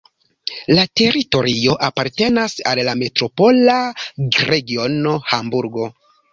La teritorio apartenas al la metropola regiono Hamburgo.